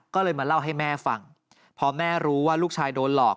ก็เลยมาเล่าให้แม่ฟังพอแม่รู้ว่าลูกชายโดนหลอก